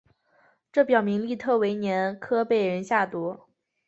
这表明利特维年科被人下毒。